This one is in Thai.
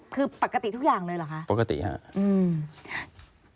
คือปกติทุกอย่างเลยเหรอคะปกติครับ